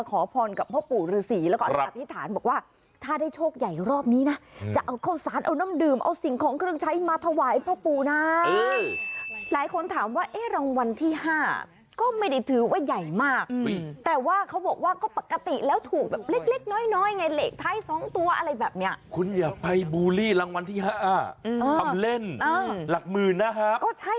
ขอพรกับพ่อปู่ฤษีแล้วก็อธิษฐานบอกว่าถ้าได้โชคใหญ่รอบนี้นะจะเอาข้าวสารเอาน้ำดื่มเอาสิ่งของเครื่องใช้มาถวายพ่อปู่นะหลายคนถามว่าเอ๊ะรางวัลที่๕ก็ไม่ได้ถือว่าใหญ่มากแต่ว่าเขาบอกว่าก็ปกติแล้วถูกแบบเล็กเล็กน้อยน้อยไงเหล็กท้ายสองตัวอะไรแบบเนี้ยคุณอย่าไปบูลลี่รางวัลที่๕ทำเล่นหลักหมื่นนะฮะก็ใช่